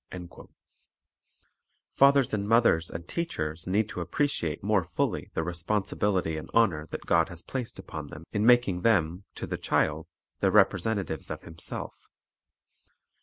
3 Fathers and mothers and teachers need to appreciate more fully the responsibility and honor that God has placed upon them, in making them, to the child, the representatives of Himself.